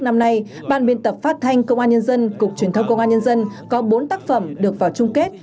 năm nay ban biên tập phát thanh công an nhân dân cục truyền thông công an nhân dân có bốn tác phẩm được vào chung kết